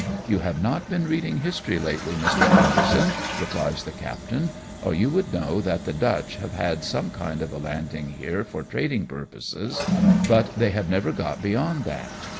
" You have not been reading history lately, Mr. Anderson," replies the captain, " or you would know that the Dutch have had some kind of a landing here for trading purposes, but they have never got beyond that; 140 AMONG TYPHOONS AND PIRATE CRAFT.